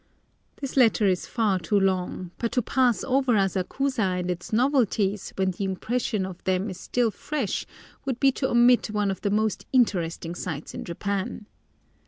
This letter is far too long, but to pass over Asakusa and its novelties when the impression of them is fresh would be to omit one of the most interesting sights in Japan.